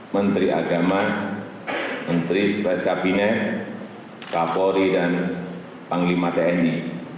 menteri agama menteri sekresi kabinet kapolri dan panglima tni